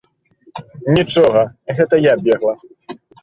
Нічога, гэта я бегла.